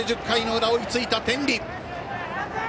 １０回の裏追いついた天理。